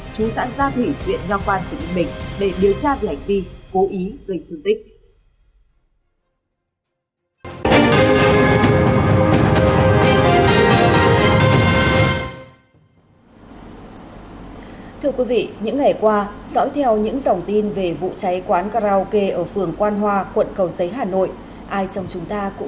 chú sản gia thủy viện nho quang tỉnh bình để điều tra về hành vi cố ý gây thương tích